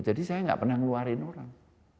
jadi saya enggak pernah ngeluarin orang